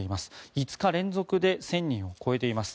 ５日連続で１０００人を超えています。